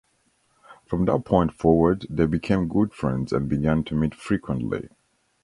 From that point forward they became good friends and began to meet frequently.